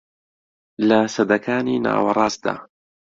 لە سەدەکانی ناوەڕاستدا